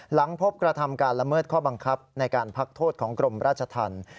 หลังพบกระทำการละเมิดข้อบังคับในการพักโทษของกรมราชธรรม